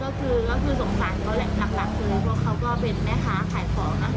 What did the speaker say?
ก็คือก็คือสงสารเขาแหละหลักคือเพราะเขาก็เป็นแม่ค้าขายของนะ